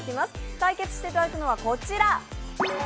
対決していただくのはこちら。